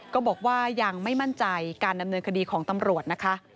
ก็บอกว่ายังไม่มั่นใจการดำเนินคดีของตำรวจนะคะ